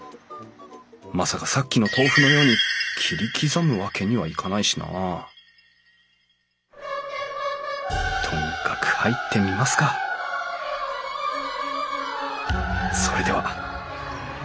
まさかさっきの豆腐のように切り刻むわけにはいかないしなとにかく入ってみますかそれでは。